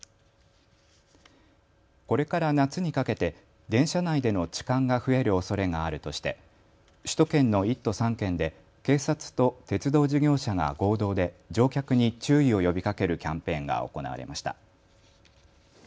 これから夏にかけて電車内での痴漢が増えるおそれがあるとして首都圏の１都３県で警察と鉄道事業者が合同で乗客に注意を呼びかけるキャンペーンが行われました。